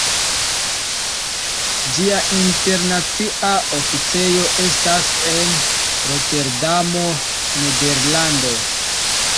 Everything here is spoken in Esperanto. Ĝia internacia oficejo estas en Roterdamo, Nederlando.